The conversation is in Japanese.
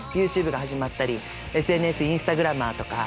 ＹｏｕＴｕｂｅが始まったりＳＮＳインスタグラマーとか。